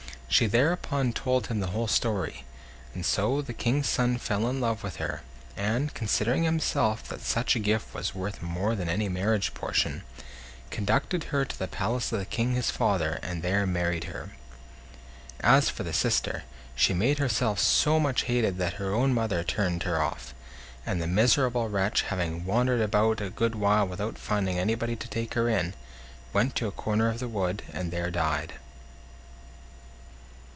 She thereupon told him the whole story; and so the King's son fell in love with her, and, considering himself that such a gift was worth more than any marriage portion, conducted her to the palace of the King his father, and there married her. As for the sister, she made herself so much hated that her own mother turned her off; and the miserable wretch, having wandered about a good while without finding anybody to take her in, went to a corner of the wood, and there died.